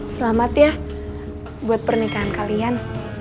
selamat ya buat pernikahan kalian